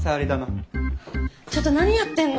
ちょっと何やってんの？